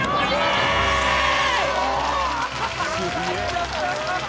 やった！